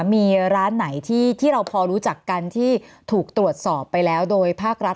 มีร้านไหนที่เราพอรู้จักกันที่ถูกตรวจสอบไปแล้วโดยภาครัฐ